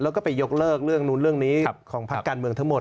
แล้วก็ไปยกเลิกเรื่องนู้นเรื่องนี้ของพักการเมืองทั้งหมด